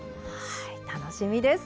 はい楽しみです。